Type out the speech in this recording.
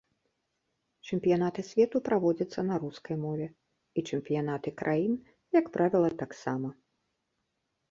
Чэмпіянаты свету праводзяцца на рускай мове, і чэмпіянаты краін, як правіла, таксама.